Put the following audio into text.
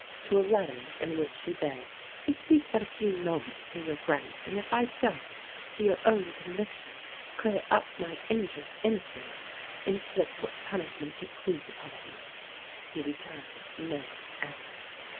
To a letter in which she begged "to speak but a few moments to your Grace, and if I don't, to your own conviction, clear up my injured innocence, inflict what punishment you please upon me," he returned no answer.